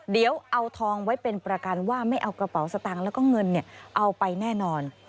เดี๋ยวเอาทองไว้เป็นประกันว่าไม่เอากระเป๋าสตางค์แล้วก็เงินเอาไปแน่นอน